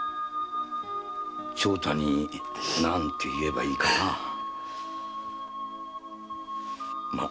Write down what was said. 長太に何て言えばいいかなあ。